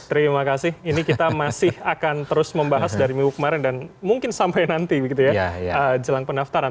terima kasih ini kita masih akan terus membahas dari minggu kemarin dan mungkin sampai nanti begitu ya jelang pendaftaran